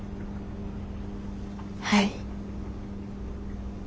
はい。